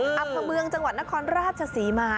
อำเภอเมืองจังหวัดนครราชศรีมา